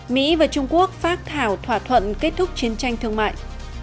mỹ và trung quốc phát thảo thỏa thuận kết thúc chiến tranh thương mại